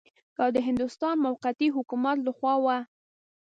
دا د هندوستان موقتي حکومت له خوا وه.